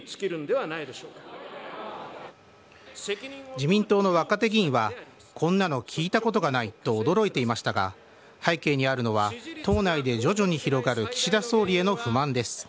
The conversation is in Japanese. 自民党の若手議員はこんなの聞いたことがないと驚いていましたが背景にあるのは党内で徐々に広がる岸田総理への不満です。